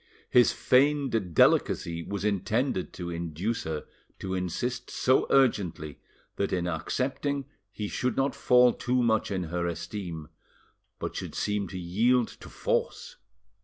His feigned delicacy was intended to induce her to insist so urgently, that in accepting he should not fall too much in her esteem, but should seem to yield to force.